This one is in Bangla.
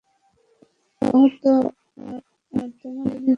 ও তো আর তোমার নিজের ভাই না।